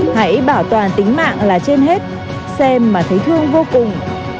hãy bảo toàn tính mạng là trên hết xem mà thấy thương vô cùng